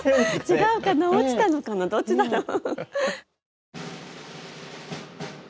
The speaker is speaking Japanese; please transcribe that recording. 違うのかな落ちたのかなどっちだろう。